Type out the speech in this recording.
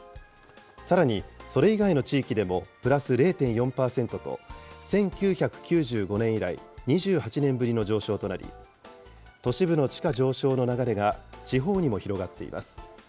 さらに、それ以外の地域でもプラス０．４％と、１９９５年以来２８年ぶりの上昇となり、都市部の地価上昇の流れが、地方にも広がっています。